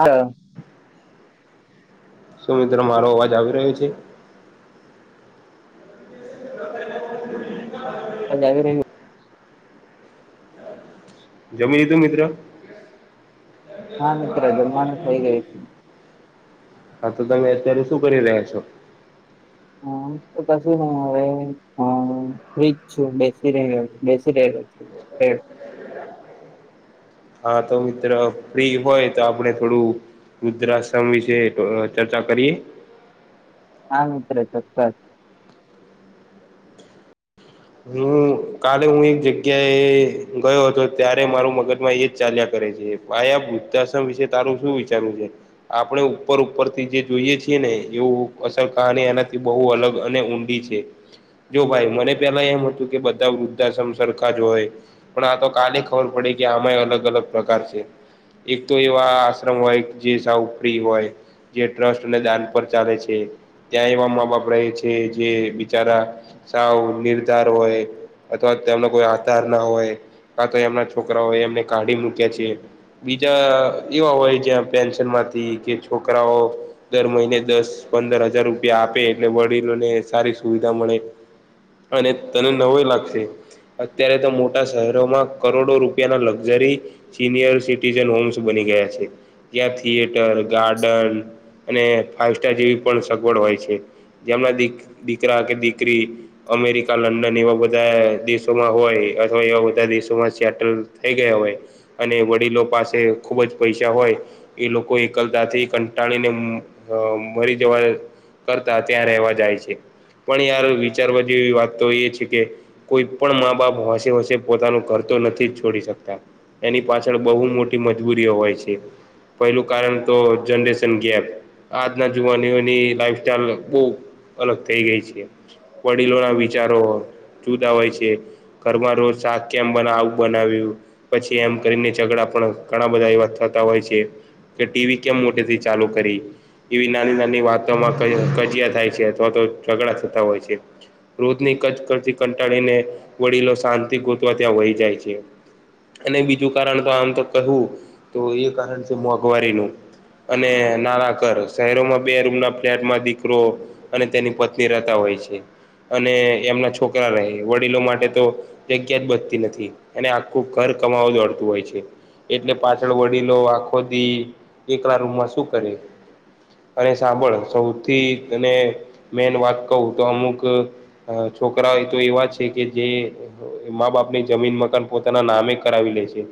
આ રહ્યો. શું મિત્ર મારો અવાજ આવી રહ્યો છે? અવાજ આવી રહ્યો. જમી લીધું મિત્ર? હા મિત્ર જમવાનું થઇ ગયુ છે. હા તો તમે અત્યારે શું કરી રહ્યા છો? આમ તો કશું નય હવે હ ફ્રીજ છું બેસી રહ્યો બેસી રહેલો છું પેટ હા તો મિત્ર ફ્રી હોય તો આપડે થોડું વુદ્રાશ્રમ વિશે અ ચર્ચા કરીએ? હા મિત્ર ચોક્કસ હું કાલે હું એક જગ્યા એ ગયો હતો ત્યારે મારું મગજમાં એજ ચાલ્યા કરે છે. પાયા વુદ્ધાશ્રમ વિશે તારું શું વિચારવું છે? આપણે ઉપર ઉપરથી જે જોઈએ છીએ ને એવું અસલ કહાની એનાથી બહુ અલગ અને ઊંન ડી છે જો ભાઈ મને પેલા એમ હતું કે બધા વૃદ્ધાશ્રમ સરખા જ હોય પણ આ તો કાલે ખબર પડે કે આમાંય અલગ અલગ પ્રકાર છે. એક તો એવા આ આશ્રમ હોય જે સાઉ ફ્રી હોય. જે ટ્રસ્ટ ને દાન પર ચાલે છે. ત્યાં એવા માં-બાપ રહે છે જે બિચારા સાવ નિર્ધાર હોય અથવા તો તેમનો કોઈ આધાર ના હોય કા તો એમના છોકરાઓ એમને કાઢી મૂક્યા છે. બીજા એવા હોય જ્યાં પેન્શનમાંથી કે છોકરાઓ દર મહિને દસ પંદર હજાર રૂપિયા આપે એટલે વડીલોને સારી સુવિધા મળે. અને તને નવાઈ લાગશે. અત્યારે તો મોટા શેહરોમાં કરોડો રૂપિયાના લક્ઝરી સિનિયર સિટીઝન હોમ્સ બની ગયા છે. જ્યાં થિયેટર, ગાર્ડન અને ફાઇવ સ્ટાર જેવી પણ સગવડ હોય છે. જેમના દી દીકરા કે દીકરી અમેરિકા, લંડન એવા બધાય દેશોમાં હોય અથવા એવા બધા દેશોમાં સેટલ થઈ ગયા હોય અને વડીલો પાસે ખૂબ જ પૈસા હોય. એ લોકો એકલતાથી કંટાળીને મ અ મરી જવા કરતા ત્યાં રહેવા જાય છે. પણયાર, વિચારવા જેવી વાત તો એ છે કે કોઈ પણ મા બાપ હોશે હોશે પોતાનું ઘર તો નથી જ છોડી શકતા. એની પાછળ બહુ મોટી મજબૂરીઓ હોય છે. પહલું કારણ તો જનરેશન ગેપ. આજના જુવાનીઓની લાઈફ સ્ટાઈલ બો અલગ થઈ ગઈ છે. વડીલોના વિચારો જુદા હોય છે. ઘરમાં રોજ શાક કેમ બનાવ આવું બનાવ્યું. પછી એમ કરીને ઝગડા પણ ઘણા બધા એવા થતા હોય છે. કે ટી વી કેમ મોટેથી ચાલુ કરી? એવી નાની નાની વા તોમાં કય કજીયા થાય છે અથવા તો ઝઘડા થતા હોય છે. રોધની કચ કચથી કંટાળીને વડીલો શાંતિ ગોતવા ત્યાં વઈ જાય છે. અને બીજું કારણ તો આમ તો કહું તો એ કારણ છે મોંઘવારીનું. અને નારા કરસ શહેરોમાં બે રૂમ ના ફ્લેટમાં દીકરો અને તેની પત્ની રહેતા હોય છેઅને એમના છોકરા રહે. વડીલો માટે તો જગ્યા જ બચતી નથી અને આખું ઘર કમાવા દોડતું હોય છે. એટલે પાછળ વડીલો આખો દી એકલા રૂમમાં શું કરે? અને સાંભળ, સૌથી તને મેન વાત કવું તો અમુ ક અ છોકરા એ તો એવા છે કે જે એ માઁ બાપ ની જમીન મકાન પોતાના નામે કરાવી લે છે.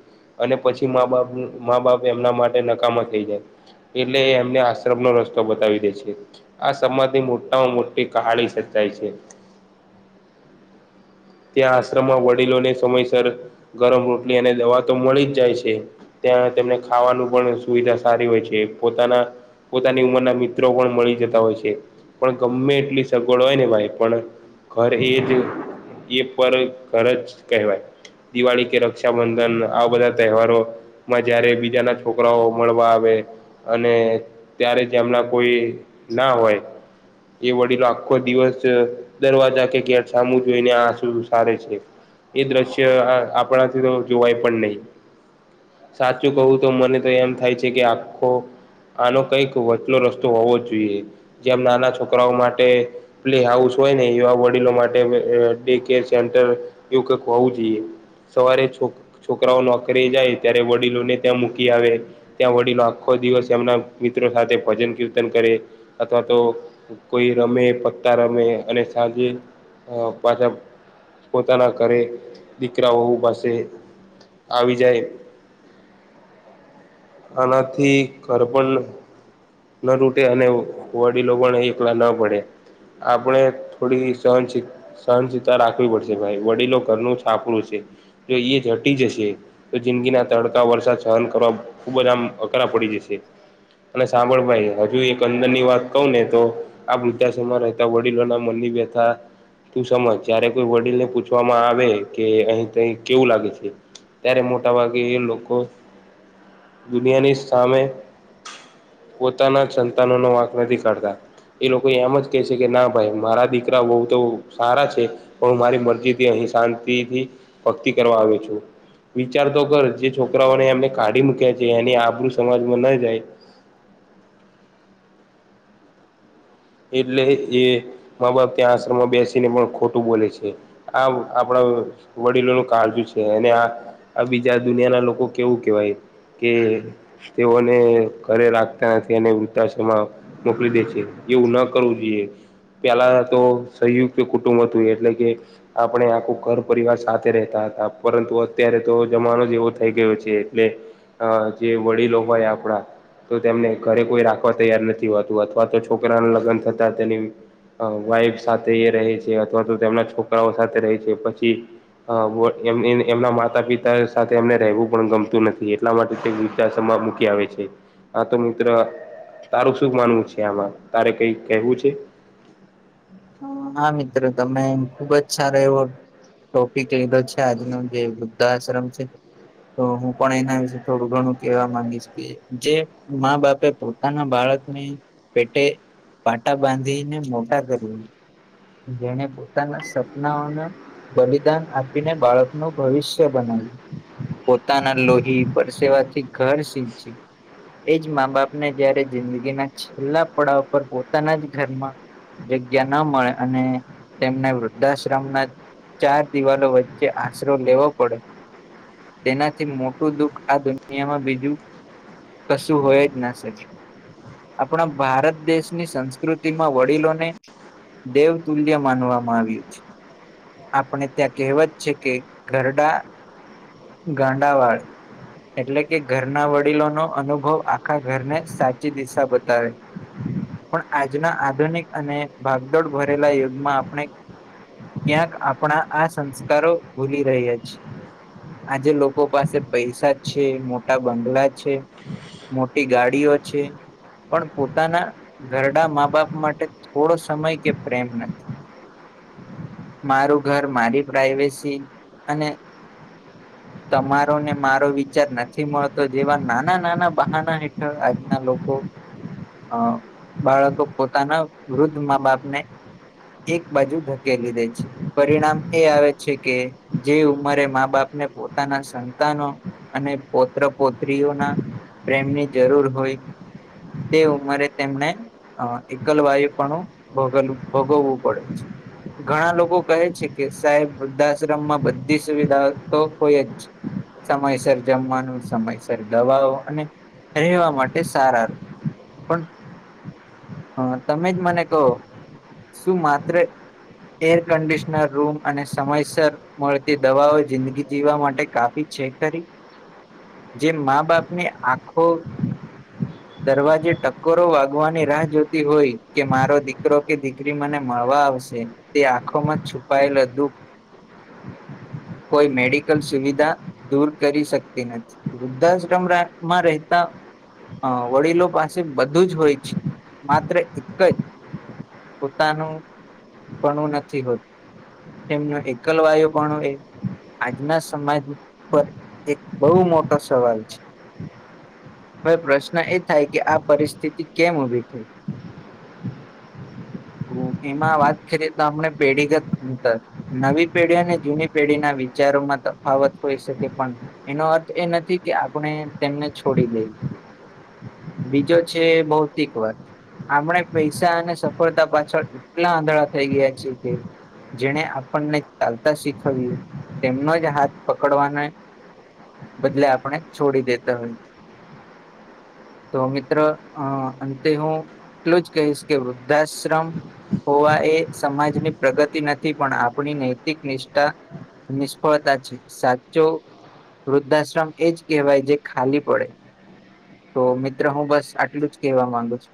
અને પછી માઁ બાપ, માઁ બાપ એમના માટે નકામા થઈ જાય. એટલે એ એમને આશ્રમનો રસ્તો બતાવી દે છે. આ સમાધી મોટામાં મોટી કહાણી સચાય છે. ત્યાં આશ્રમમાં વડીલોને સમયસર ગરમ રોટલી અને દવા તો મળી જ જાય છે. ત્યાં તેમને ખાવાનું પણ સુવિધા સારી હોય છે. પોતાના પોતાની ઉંમરના મિત્રો પણ મળી જતા હોય છે. પણ ગમે એટલી સગવડ હોય ને ભાઈ પણ ઘર એજ એ પર ઘર જ કહેવાય. દિવાળી કે રક્ષાબંધન, આ બધા તેહવારો માં જ્યારે બીજાના છોકરાઓ મળવા આવે અને ત્યારે જેમના કોઈ ના હોય એ વડીલો આખો દિવસ, દરવાજા કે ઘેર સામું જોઈને આ સુ ઉસારે છે. એ દ્રશ્ય અ આપણાથી તો જોવાય પણ નહીં. સાચું કહું તો મને તો એમ થાય છે કે આખો આનો કઈક વચલો રસ્તો હોવો જોઈએ. જેમ નાના છોકરાઓ માટે પ્લે હાઉસ હોય ને એવા વડીલો માટે વ ડે કેર સેન્ટર, એવું કઈક હોવું જોઈએ. સવારે છોક રાઓ નોકરી જાય ત્યારે વડીલોને ત્યાં મૂકી આવે. ત્યાં વડીલો આખો દિવસ એમના મિત્રો સાથે ભજન કીર્તન કરે, અથવા તો કોઈ રમે પત્તા રમે અને સાંજે અ પાછા પોતાના ઘરે દીકરાઓ પાસે આવી જાય. આનાથી ઘર પણ ન તૂટે અને વડીલો પણ એકલા ના પડે. આપણે થોડી સહનશીલ સહનશીલ તા રાખવી પડશે ભાઈ. વડીલો ઘરનું છાપરું છે. જો એ જટી જશે તો જિંદગીના તડકા, વરસાદ સહન કરવા ખુબ જ આમ અકરા પડી જશે. અને સાંબળ ભાઈ, હજુ એક અંદર ની વાત કહું ને તો આ વૃદ્ધાશ્રમાં રેહતા વડીલોના મન ની વ્ય થા તું સમજ. જયારે કોઈ વડીલ ને પૂછવામાં આવે કે અહી તહી કેવું લાગે છે. ત્યારે મોટા ભાગે એ લોકો દુનિયાની સામે પોતાના જ સંતાનો નો વાંક નથી કાઢતા. એ લોકો એમ જ કેહે છે. કે ના ભાઈ મારા દીકરા વ‌ઉ તો સારા છે. પણ હું મારી મરજીથી અહી શાંતિથી ભક્તિ કરવા આવ્યો છું. વિચાર તો કર જે છોકરાઓને એમને કાઢી મૂક્યા છે. એની આબરૂ સમાજમાં ન જાય એટલે એ મા બાપ ત્યાં આશ્રમમાં બેસીને પણ ખોટું બોલે છે. આ આપડા વડીલોનું કાળજુ છે. અને આ આ બીજા દુનિયા ના લોકો કેવું કેહેવાય કે તેઓને ઘરે રાખતા નથી અને વૃદ્ધાશ્રમાં મોકલી દે છે. એવું ના કરવું જોઈએ પેલા તો સંયુક્ત કુટુંબ હતું એટલે કે આપણે આખું ઘર પરિવાર સાથે રહેતા હતા પરંતુ અત્યારે તો જમાનો જ એવો થઈ ગયો છે. એટલે અ જે વડીલો હોય આપણા તો તેમને ઘરે કોઈ રાખવા તૈયાર નથી હોતું અથવા તો છોકરાના લગ્ન થતા તેની અ વાઈફ સાથે એ રહે છે. અથવા તો તેમના છોકરાઓ સાથે રહે છે. પછી હ એમ એમના માતા પિતા સાથે એમને રહેવું પણ ગમતું નથી એટલા માટે તે વૃદ્ધ આશ્રમ મૂકી આવે છે. આ તો મિત્ર તારું શું માનવું છે. આમાં તારે કઈ કેહેવું છે. હા મિત્રો તમે ખુબ જ સારો એવો ટોપિક લીધો છે. આજનો જે વૃદ્ધા આશ્રમ છે. તો હું પણ એના વિશે થોડું ઘણું કેવા માંગીશ કે જે. મા બાપે પોતાના બાળકને પેટે. પાટા બાંધીને મોટા કર્યું જેને પોતાના સપનાઓના. બલિદાન આપીને બાળકનું ભવિષ્ય બનાવ્યું. પોતાના લોહી પરસેવાથી ઘર સીંચી. એજ મા બાપને જયારે જિંદગીના છેલ્લા પડાવ પર પોતાના જ ઘરમાં. જગ્યા ન મળે અને તેમને વૃદ્ધાશ્રમ ના. ચાર દિવાલો વચ્ચે આશરો લેવો પડે. તેનાથી મોટું દુઃખ આ દુનિયામાં બીજું. કશું હોય જ ના સકે. આપણા ભારત દેશની સંસ્કૃતિમાં વડીલોને. દેવતુલ્ય માનવામાં આવ્યું છે. આપણે ત્યાં કહેવા જ છે કે ઘરડા. ગાંડાવાડ. એટલે કે ઘરના વડીલો નો અનુભવ આખા ઘરને સાચી દિશા બતાવે. હ. [unintelligible] પણ આજના આધુનિક અને ભાગદોડ ભરેલા યુગમાં આપણે. ક્યાંક આપણા આ સંસ્કારો ભૂલી રયા છી. આજે લોકો પાસે પૈસા છે મોટા બંગલા છે. મોટી ગાડીઓ છે પણ પોતાના ઘરડા મા બાપ માટે. થોડો સમય કે પ્રેમ નથી. મારું ઘર મારી પ્રઇવેસી અને. [unintelligible] તમારો ને મારો વિચાર નથી મળતો જેવા નાના નાના બહાના હેઠળ આજના લોકો. અ બાળકો પોતાના વૃદ્ધ મા બાપને એક બાજુ ધકેલી દે છે. પરિણામ એ આવે છે કે જે ઉંમરે મા બાપને પોતાના સંતાનો. અને પૌત્ર પૌત્રીઓના પ્રેમની જરૂર હોય. તે ઉંમરે તેમને અ એકલ વાયુ. પણ ભ ભોગવવું પડે છે. ઘણા લોકો કહે છે કે સાહેબ વૃદ્ધાશ્રમમાં બધી સુવિધા તો હોય જ. સમયસર જમવાનું સમયસર દવાઓ અને રહેવા માટે સારું પણ તમે મને કહો શું માત્ર એર કન્ડીિશનર રૂમ અને સમયસર મળતી દવાઓ જિંદગી જીવવા માટે કાપી છેેક કરી જે મા બાપ ને આખો. દરવાજે ટક્કોરો વાગવાની રાહ જોતી હોય. કે મારો દીકરો કે દીકરી મને મળવા આવશે તે આંખોમાં છુપાયેલો દુઃખ. કોઈ મેડિકલ સુવિધા દૂર કરી શકતી નથી. વૃદ્ધાશ્રમ માં રહેતા અ વડીલો પાસે બધું જ હોય છે માત્ર. એક જ પોતાનું પણું નથી હોતું. તેમનું એકલ વાયુ પણુ એ. આજના સમાજ પર એક બહુ મોટો સવાલ છે. હવે પ્રશ્ન એ થાય કે આ પરિસ્થિતિ કેમ ઉભી થઈ. એમાં વાત કરીએ તો આપણે પેઢીગત અંતર. નવી પેઢી અને જૂની પેઢી ના વિચારોમાં તફાવત હોઈ શકે પણ. એનો અર્થ એ નથી કે આપણે તેમને છોડી દે. બીજો છે ભૌતિક વર્ગ. આપણે પૈસા અને સફળતા પાછળ એટલા આંધળા થઈ ગયા જ઼ીએ કે. જેણે આપણને ચાલતા શીખવ્યું તેમનો જ હાથ પકડવાનો. બદલે આપણે છોડી દેતા હોય. તો મિત્ર અ અંતે હું. એટલું જ કહીશ કે વૃદ્ધાશ્રમ હોવા એ સમાજની પ્રગતિ નથી પણ આપણી નૈતિક નિષ્ઠા. નિષ્ફળતા છે સાચો. વૃદ્ધાશ્રમ એજ કહેવાય જે ખાલી પડે. તો મિત્ર હું બસ આટલું જ કેહેવા માંગુ છું.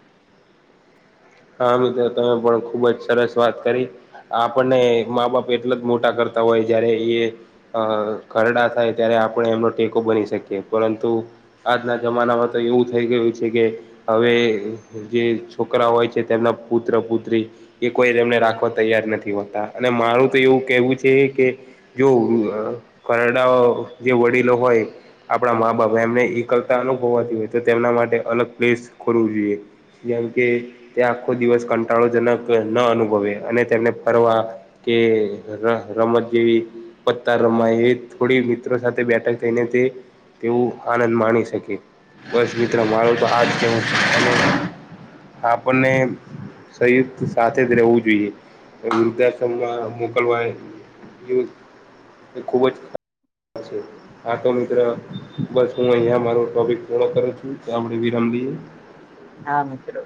હા મિત્ર તમે પણ ખુબજ સરસ વાત કરી. આપણને મા બાપ એટલા જ મોટા કરતા હોય જયારે ઈએ અ ખરડા થાય ત્યારે આપણે એમનો ટેકો બની શકીએ પરંતુ. આજના જમાનામાં તો એવું થઈ ગયું છે કે હવે જે છોકરા હોય. તે તેમના પુત્ર પુત્રી. એ કોઈ એમને રાખવા તૈયાર નથી હોતા અને મારું તો એવું કેવું છે કે. જો ઘરાડા જે વડીલો હોય. આપણા મા બાપ એમને એકલતા અનુભવવાતી હોય તો તેમના માટે અલગ પ્લેસ ખોલવું જોઈએ. જેમ કે તે આખો દિવસ કંટાળોજનક ના અનુભવે અને તેમને ફરવા. કે ર રમત જેવી. પતા રમાય એ થોડી મિત્રો સાથે બેઠક થઈને તી તેવું આનંદ માણી શકે બસ મિત્ર મારુ તો આજ કેવું છે કોને. સંયુક્ત સાથેજ રહેવું જોઈએ વૃદ્ધાશ્રમમાં મોકલવા. એ ખુબજ છે [inaudible] હા તો મિત્ર બસ હું અહિયા મારો ટોપિક પૂરો કરું છું તો આપણે વિરામ લઈએ. હા મિત્રો.